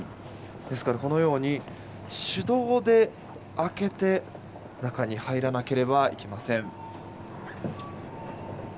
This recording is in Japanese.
ですから、手動で開けて中に入らなければいけません。